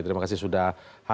terima kasih sudah hadir